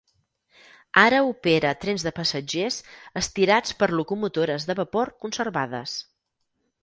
Ara opera trens de passatgers estirats per locomotores de vapor conservades.